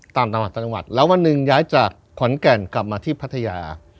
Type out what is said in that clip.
ตามจังหวัดต่างจังหวัดแล้ววันหนึ่งย้ายจากขอนแก่นกลับมาที่พัทยา